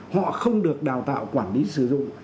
họ không được đào tạo quản lý sử dụng